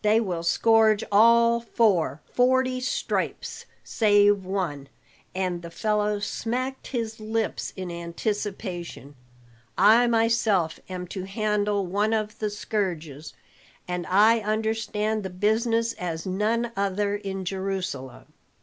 "They will scourge all four forty stripes save one," and the fellow smacked his lips in anticipation. "I myself am to handle one of the scourges, and I understand the business as none other in Jerusalem.